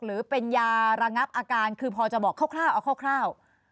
หรือเป็นยาระงับอาการคือพอจะบอกคร่าวเอาคร่าว